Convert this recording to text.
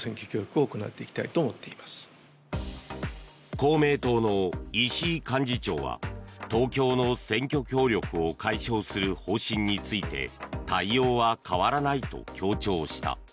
公明党の石井幹事長は東京の選挙協力を解消する方針について対応は変わらないと強調した。